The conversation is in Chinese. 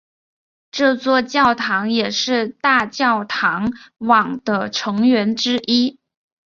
这座教堂也是大教堂网的成员之一。